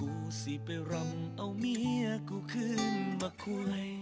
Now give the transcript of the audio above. ดูสิไปรำเอาเมียกูขึ้นมาคุย